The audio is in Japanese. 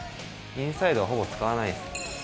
インサイドはほぼ使わないですね。